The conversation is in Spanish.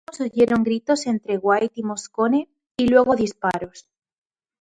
Testigos oyeron gritos entre White y Moscone y luego disparos.